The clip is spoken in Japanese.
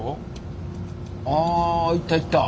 あいったいった。